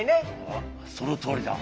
ああそのとおりだ。